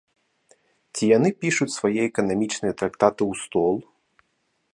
Ці яны пішуць свае эканамічныя трактаты ў стол?